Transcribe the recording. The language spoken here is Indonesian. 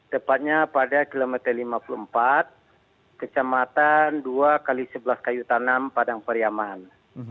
tepatnya pada kilometer lima puluh empat kecamatan dua x sebelas kayu tanam padang pariaman